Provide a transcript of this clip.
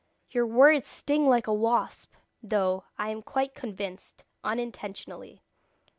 Your words sting like a wasp, though, I am quite convinced, unintentionally.